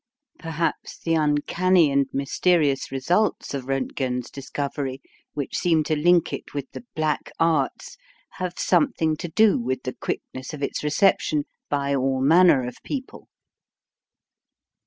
Perhaps the uncanny and mysterious results of Rontgen's discovery, which seem to link it with the "black arts," have something to do with the quickness of its reception by all manner of people.